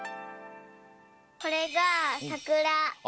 これがさくら！